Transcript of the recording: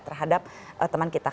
terhadap teman kita